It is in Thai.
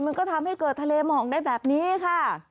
มันก็ทำให้เกิดทะเลหมอกได้แบบนี้ค่ะ